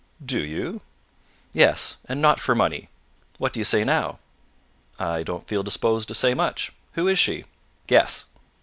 "Do you?" "Yes. And not for money. What do you say now?" "I don't feel disposed to say much. Who is she?" "Guess."